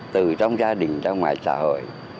từ trong gia đình ra ngoài xã hội